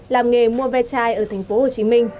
làm nghề mua ve chai ở tp hcm